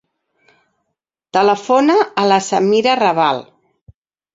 Telefona a la Samira Rabal.